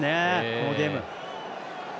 このゲーム。